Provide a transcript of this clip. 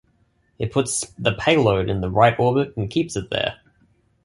It puts the payload in the right orbit and keeps it there.